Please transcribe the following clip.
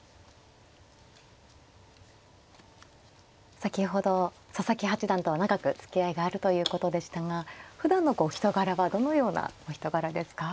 先ほど佐々木八段とは長くつきあいがあるということでしたがふだんのこう人柄はどのようなお人柄ですか。